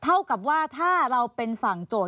เท่ากับว่าถ้าเราเป็นฝั่งโจทย